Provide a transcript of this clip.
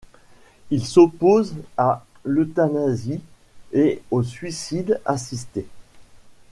Il s'oppose à l'euthanasie et au suicide assisté.